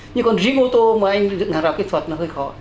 nhưng còn riêng ô tô mà anh dựng hàng rào kỹ thuật là hơi khó